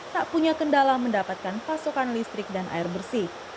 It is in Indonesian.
tak punya kendala mendapatkan pasokan listrik dan air bersih